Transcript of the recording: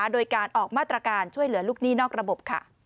โดยการออกมาตรการช่วยเหลือลูกหนี้นอกระบบ